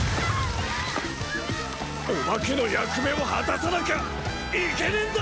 オバケの役目を果たさなきゃいけねえんだ！